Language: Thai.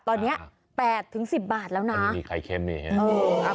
ตอนเนี้ยแปดถึงสิบบาทแล้วนะอันนี้มีไข่เข้มเนี้ยเออ